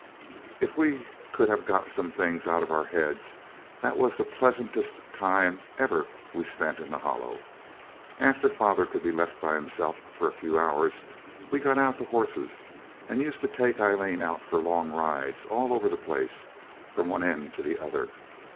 If we could have got some things out of our heads, that was the pleasantest time ever we spent in the Hollow. After father could be left by himself for a few hours we got out the horses, and used to take Aileen out for long rides all over the place, from one end to the other.